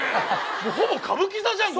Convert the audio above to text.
もうほぼ歌舞伎座じゃんここ！